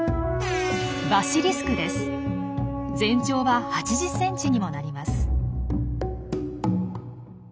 全長は８０ｃｍにもなります。